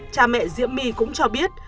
cha mẹ diễm my cũng cho biết